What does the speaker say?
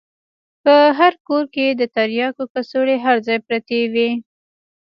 په هر کور کښې د ترياکو کڅوړې هر ځاى پرتې وې.